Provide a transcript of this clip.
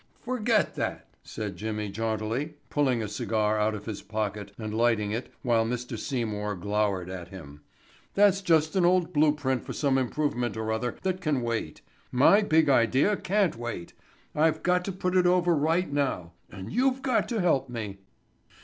"Forget that," said Jimmy jauntily, pulling a cigar out of his pocket and lighting it while Mr. Seymour glowered at him. "That's just an old blueprint for some improvement or other that can wait. My big idea can't wait. I've got to put it over right now. And you've got to help me."